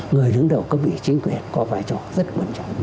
người đứng đầu cấp vị chính quyền có vai trò rất quan trọng